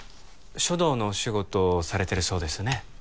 書道のお仕事されてるそうですね